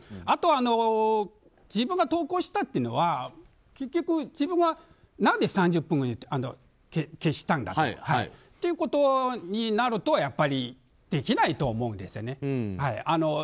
あとは自分が投稿したというのは結局、自分が何で３０分後に消したんだということになるとやっぱりできないと思うんですよね